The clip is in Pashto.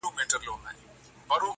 ښکلی زلمی در څخه تللی وم بوډا راځمه -